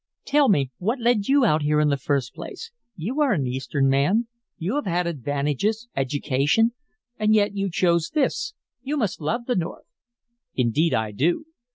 "Tell me what led you out here in the first place. You are an Eastern man. You have had advantages, education and yet you choose this. You must love the North." "Indeed I do!